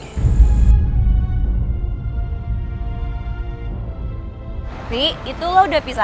gak aktif lagi